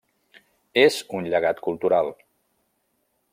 És un llegat cultural.